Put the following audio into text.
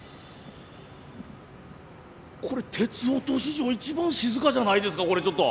これ「てつおと」史上一番静かじゃないですかこれちょっと。